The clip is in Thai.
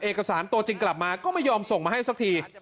เอกสารตัวจริงกลับมาก็ไม่ยอมส่งมาให้สักที